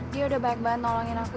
dia udah banyak banget nolongin aku